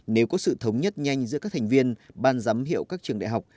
nếu có sự thống nhất nhanh giữa các thành viên ban giám hiệu các trường đại học